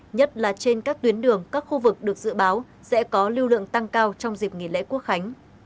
nhất là trên các tuyến đường các khu vực được dự báo sẽ có lưu lượng tăng cao trong dịp nghỉ lễ quốc khánh